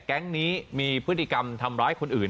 แก๊งนี้มีพฤติกรรมทำร้ายคนอื่น